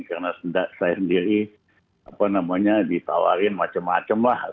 karena saya sendiri ditawarin macam macam lah